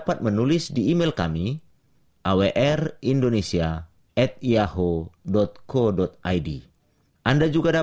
sampai jumpa di video selanjutnya